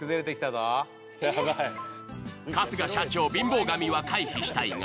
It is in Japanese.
かすが社長貧乏神は回避したいが。